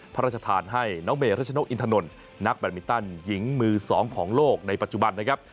พระราชทานให้น้องเมรัชนกอินทนนท์นักแบตมินตันหญิงมือสองของโลกในปัจจุบันนะครับ